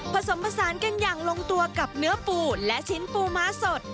ผสมผสานกันอย่างลงตัวกับเนื้อปูและชิ้นปูม้าสด